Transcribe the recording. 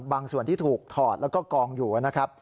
ส่วนที่ถูกถอดแล้วก็กองอยู่นะครับ